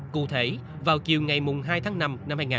cụ thể vào chiều ngày hai tháng năm năm hai nghìn hai mươi bốn